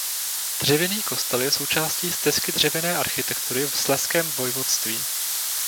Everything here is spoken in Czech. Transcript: Dřevěný kostel je součástí Stezky dřevěné architektury v Slezském vojvodství.